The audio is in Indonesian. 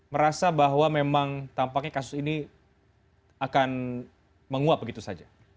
merasa bahwa memang tampaknya kasus ini akan menguap begitu saja